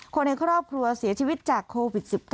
คนในครอบครัวเสียชีวิตจากโควิด๑๙